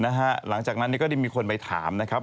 หลังจากนั้นก็ได้มีคนไปถามนะครับ